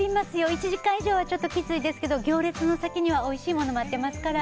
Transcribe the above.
１時間以上はちょっときついですけど行列の先にはおいしいものが待っていますから。